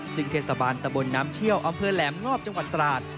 ซึ่งเทศบาลตะบนน้ำเชี่ยวอำเภอแหลมงอบจังหวัดตราด